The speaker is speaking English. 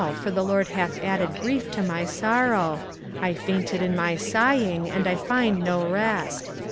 for the LORD hath added grief to my sorrow; I fainted in my sighing, and I find no rest.